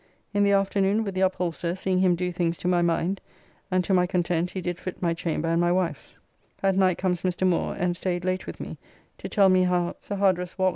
In the afternoon with the upholster seeing him do things to my mind, and to my content he did fit my chamber and my wife's. At night comes Mr. Moore, and staid late with me to tell me how Sir Hards. Waller [Sir Hardress Waller, Knt., one of Charles I.